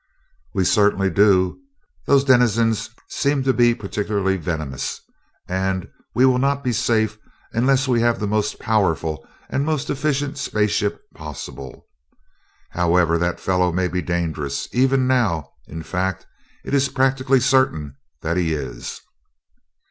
"We certainty do. Those denizens seem to be particularly venomous, and we will not be safe unless we have the most powerful and most efficient space ship possible. However, that fellow may be dangerous, even now in fact, it is practically certain that he is."